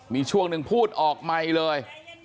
มีช่วงหนึ่งพูดออกไมค์เลย